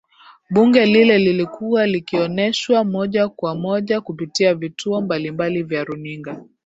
Bunge lile lilikuwa likioneshwa moja kwa moja kupitia vituo mbalimbali vya runinga